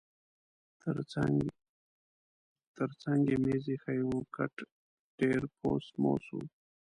ترڅنګ یې مېز اییښی و، کټ ډېر پوس موس و.